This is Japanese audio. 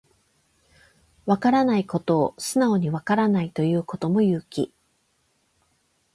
わからないことを素直にわからないと言うことも勇気